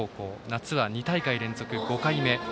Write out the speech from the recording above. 夏は２大会連続５回目。